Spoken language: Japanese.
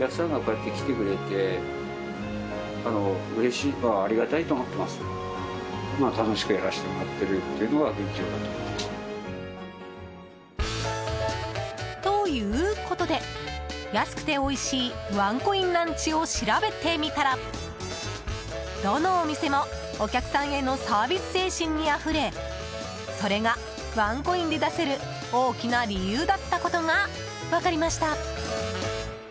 そのことを、店主の小黒さんは。ということで、安くておいしいワンコインランチを調べてみたらどのお店も、お客さんへのサービス精神にあふれそれがワンコインで出せる大きな理由だったことが分かりました。